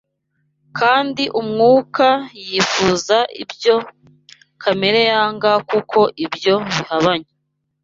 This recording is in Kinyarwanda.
kandi Umwuka yifuza ibyo kamere yanga kuko ibyo bihabanye